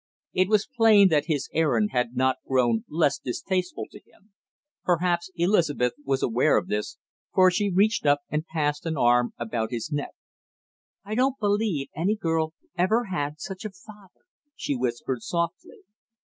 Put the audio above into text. It was plain that his errand had not grown less distasteful to him. Perhaps Elizabeth was aware of this, for she reached up and passed an arm about his neck. "I don't believe any girl ever had such a father!" she whispered softly.